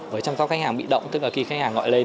với chăm sóc khách hàng bị động tức là khi khách hàng gọi lên